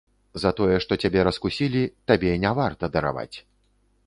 За тое, што цябе раскусілі, табе не варта дараваць.